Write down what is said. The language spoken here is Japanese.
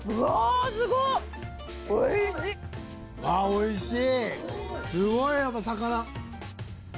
おいしい。